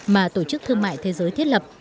mà tổ chức thương mại thế giới thiết lập